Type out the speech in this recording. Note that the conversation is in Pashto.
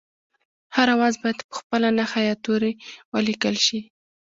هر آواز باید په خپله نښه یا توري ولیکل شي